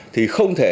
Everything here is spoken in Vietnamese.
thì không thể